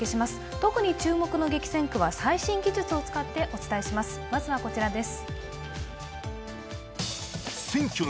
特に注目の激戦区は最新技術を使ってお伝えいたします。